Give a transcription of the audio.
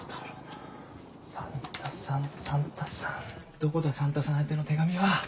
どこだサンタさん宛ての手紙は。